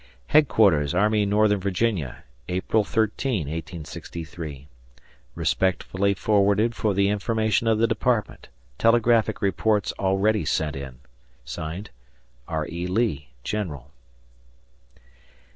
Headquarters Army Northern Virginia, April 13, 1863. Respectfully forwarded for the information of the Department. Telegraphic reports already sent in. R. E. Lee, General.